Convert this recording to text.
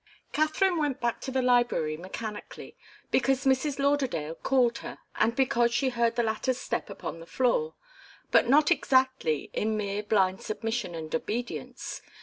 Katharine went back to the library mechanically, because Mrs. Lauderdale called her and because she heard the latter's step upon the floor, but not exactly in mere blind submission and obedience.